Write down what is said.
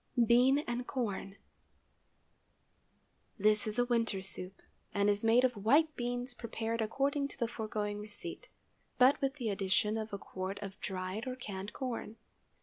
BEAN AND CORN. ✠ This is a winter soup, and is made of white beans prepared according to the foregoing receipt, but with the addition of a quart of dried or canned corn.